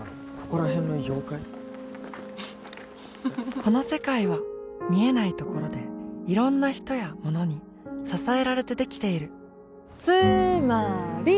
この世界は見えないところでいろんな人やものに支えられてできているつーまーり！